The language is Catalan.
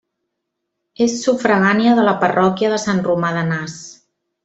És sufragània de la parròquia de Sant Romà d'Anàs.